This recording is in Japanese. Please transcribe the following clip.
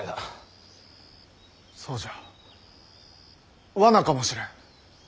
そうじゃ罠かもしれん。